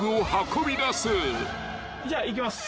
じゃあいきます。